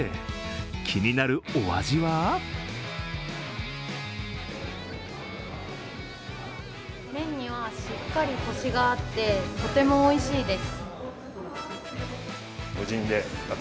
気になるお味は麺にはしっかりコシがあって、とてもおいしいです。